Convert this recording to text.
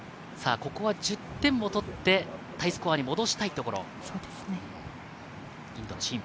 ここは１０点を取ってタイスコアに戻したいところ、インドのシン。